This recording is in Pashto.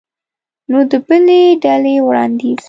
نو د بلې ډلې وړاندیز